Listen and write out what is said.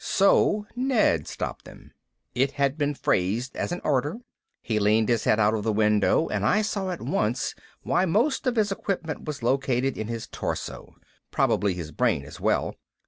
So Ned stopped them. It had been phrased as an order. He leaned his head out of the window and I saw at once why most of his equipment was located in his torso. Probably his brain as well.